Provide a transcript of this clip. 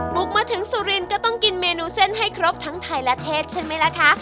บุกมาถึงสุรินทร์ก็ต้องกินเมนูเส้นให้ครบทั้งไทยและเทศใช่ไหมล่ะคะ